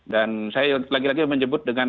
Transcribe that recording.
dan saya lagi lagi menyebut dengan